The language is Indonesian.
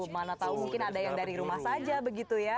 mana tahu mungkin ada yang dari rumah saja begitu ya